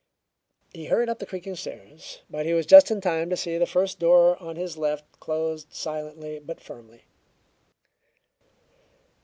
He hurried up the creaking stairs, but he was just in time to see the first door on his left closed silently but firmly.